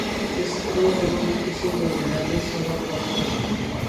د سرو غرونو کیسې د مېړانې سبق ورکوي.